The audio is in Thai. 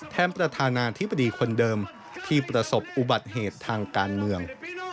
ประธานาธิบดีคนเดิมที่ประสบอุบัติเหตุทางการเมือง